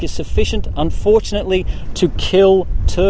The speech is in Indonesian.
cukup untuk membunuh turtel di alam marina